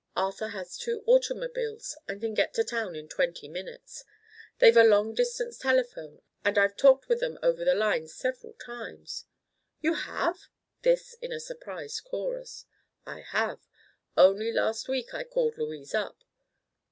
Arthur has two automobiles and can get to town in twenty minutes. They've a long distance telephone and I've talked with 'em over the line several times." "You have!" This in a surprised chorus. "I have. Only last week I called Louise up."